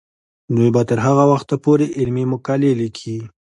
دوی به تر هغه وخته پورې علمي مقالې لیکي.